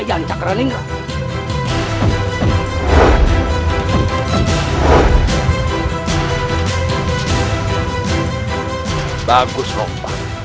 sekarang aku tinggal melanjutkan r frage selanjutnya